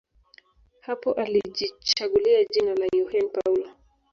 Hapo alijichagulia jina la Yohane Paulo